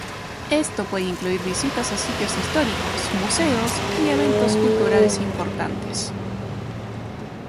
Esto puede incluir visitas a sitios históricos, museos y eventos culturales importantes.